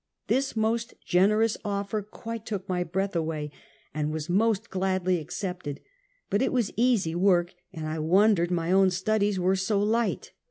This most generous offer quite took my breath away, and was most gladly accepted; but it was easy work, and I wondered my own studies were so light.